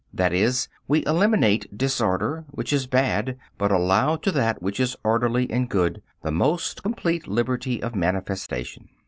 That is, we eliminate disorder, which is "bad," but allow to that which is orderly and "good" the most complete liberty of manifestation.